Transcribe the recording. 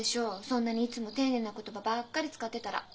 そんなにいつも丁寧な言葉ばっかり使ってたら。